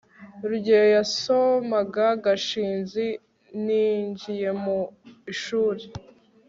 rugeyo yasomaga gashinzi ninjiye mu ishuri